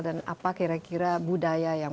dan apa kira kira budaya yang